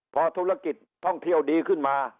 พอธุรกิจท่องเที่ยวดีขึ้นมา